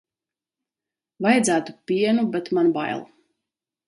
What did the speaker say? Vajadzētu pienu, bet man bail.